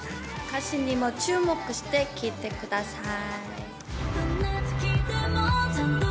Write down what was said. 歌詞にも注目して聴いてください。